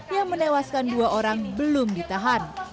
yang menewaskan dua orang belum ditahan